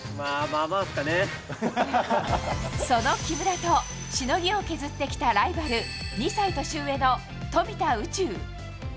その木村と、しのぎを削ってきたライバル、２歳年上の富田宇宙。